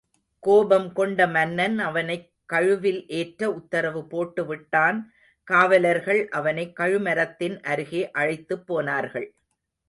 கோபம் கொண்ட மன்னன் அவனைக் கழுவில் ஏற்ற உத்தரவு போட்டுவிட்டான் காவலர்கள் அவனை கழுமரத்தின் அருகே அழைத்துப் போனார்கள்.